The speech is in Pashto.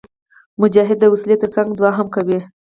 مجاهد د وسلې تر څنګ دعا هم کوي.